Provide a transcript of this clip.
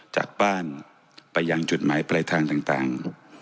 จากบ้านไปยังจุดหมายปลายทางต่าง